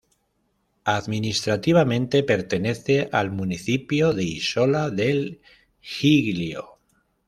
Administrativamente pertenece al municipio de Isola del Giglio.